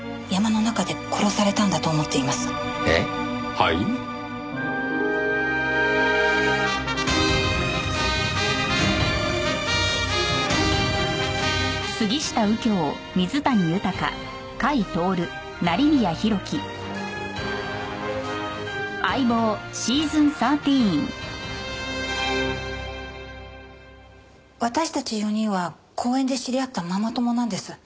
私たち４人は公園で知り合ったママ友なんです。